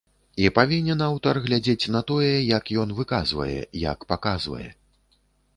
А павінен аўтар глядзець на тое, як ён выказвае, як паказвае.